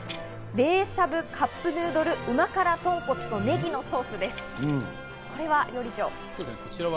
冷しゃぶカップヌードル旨辛豚骨とねぎのソースです。